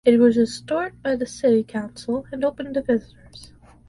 It was restored by the city council and opened to visitors.